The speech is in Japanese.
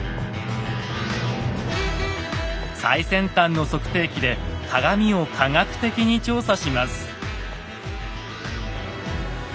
最先端の測定機で鏡を科学的に調査します。